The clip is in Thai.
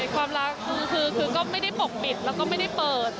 ความรักคือก็ไม่ได้ปกปิดแล้วก็ไม่ได้เปิด